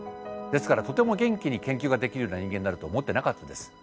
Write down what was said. ですからとても元気に研究ができるような人間になると思ってなかったです。